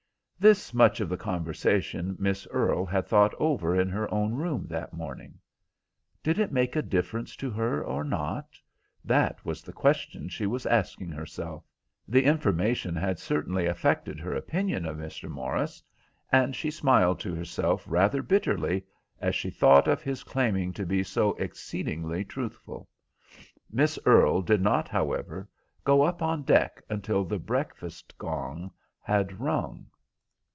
This much of the conversation Miss Earle had thought over in her own room that morning. "Did it make a difference to her or not?" that was the question she was asking herself. The information had certainly affected her opinion of Mr. Morris, and she smiled to herself rather bitterly as she thought of his claiming to be so exceedingly truthful. Miss Earle did not, however, go up on deck until the breakfast gong had rung.